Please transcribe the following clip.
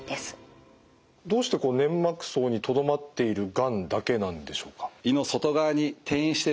どうして粘膜層にとどまっているがんだけなんでしょうか？